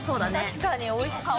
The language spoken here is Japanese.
確かにおいしそう。